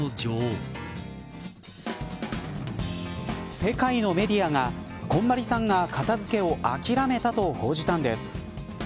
世界のメディアがこんまりさんが片付けを諦めたと報じたんです。